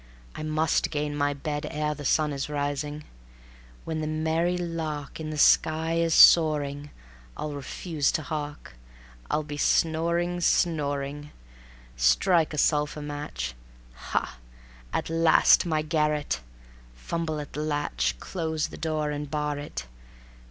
I must gain my bed Ere the sun be rising; When the merry lark In the sky is soaring, I'll refuse to hark, I'll be snoring, snoring. Strike a sulphur match ... Ha! at last my garret. Fumble at the latch, Close the door and bar it.